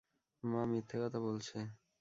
মা মিথ্যে কথা বলছে।